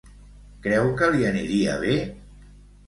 Creu que li aniria bé?